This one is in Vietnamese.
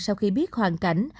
sau khi biết hoàn cảnh